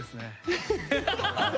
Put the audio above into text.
フハハハハ！